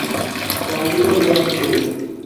پانی گوݽ ارام چھوم